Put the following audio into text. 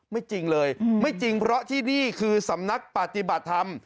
จริงเลยไม่จริงเพราะที่นี่คือสำนักปฏิบัติธรรม